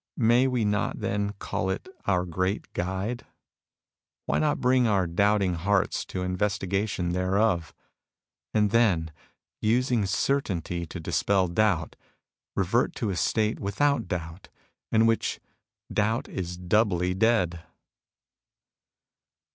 May we not, then, call it our great Guide ? Why not bring our doubting hearts to investi gation thereof ? And then, using certainty to dispel doubt, revert to a state without doubt, in which doubt is doubly dead